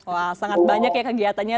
wah sangat banyak ya kegiatannya